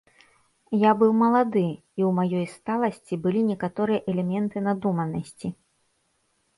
Я быў малады, і ў маёй сталасці былі некаторыя элементы надуманасці.